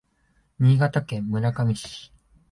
新潟県村上市